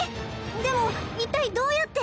でも一体どうやって？